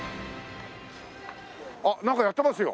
あっなんかやってますよ。